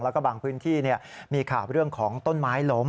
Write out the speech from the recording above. แล้วก็บางพื้นที่มีข่าวเรื่องของต้นไม้ล้ม